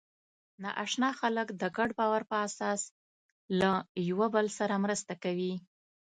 ناآشنا خلک د ګډ باور په اساس له یوه بل سره مرسته کوي.